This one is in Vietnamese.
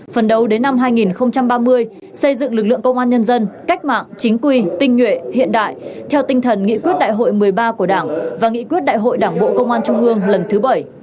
phần đầu đến năm hai nghìn ba mươi xây dựng lực lượng công an nhân dân cách mạng chính quy tinh nhuệ hiện đại theo tinh thần nghị quyết đại hội một mươi ba của đảng và nghị quyết đại hội đảng bộ công an trung ương lần thứ bảy